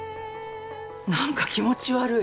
何か気持ち悪い。